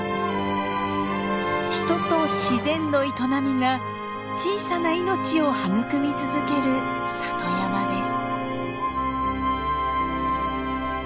人と自然の営みが小さな命を育み続ける里山です。